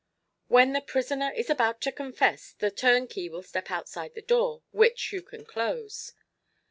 "When the prisoner is about to confess, the turnkey will step outside the door, which you can close.